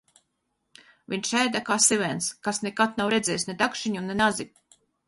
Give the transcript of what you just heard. Viņš ēda kā sivēns, kas nekad nav redzējis ne dakšiņu, ne nazi!